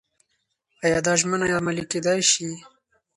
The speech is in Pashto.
ایا دا ژمنه عملي کېدای شي؟